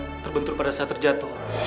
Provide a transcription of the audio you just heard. yang terbentur pada saat terjatuh